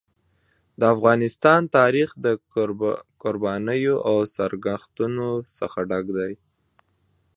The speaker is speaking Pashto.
د افغانستان تاریخ د قربانیو او سرښندنو څخه ډک دی.